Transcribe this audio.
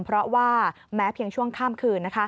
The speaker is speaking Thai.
เพราะว่าแม้เพียงช่วงข้ามคืน